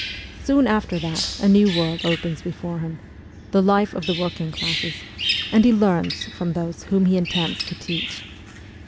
Soon after that a new world opens before him the life of the working classes and he learns from those whom he intends to teach.